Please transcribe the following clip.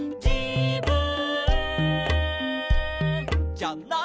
「じゃない」